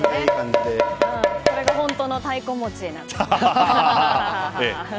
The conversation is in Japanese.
これが本当の太鼓持ち！なんてね。